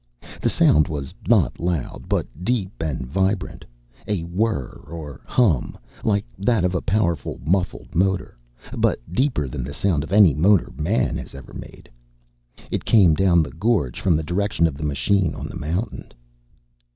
The sound was not loud, but deep and vibrant. A whir or hum, like that of a powerful, muffled motor, but deeper than the sound of any motor man has ever made. It came down the gorge, from the direction of the machine on the mountain.